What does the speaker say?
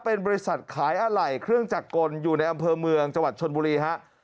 เป็นบริษัทขายอะไหล่เครื่องจักรกลอยู่ในอำเภอเมืองจังหวัดชนบุรีฮะ